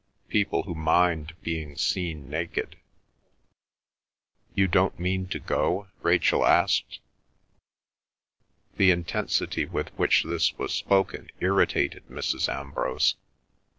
"People who mind being seen naked." "You don't mean to go?" Rachel asked. The intensity with which this was spoken irritated Mrs. Ambrose.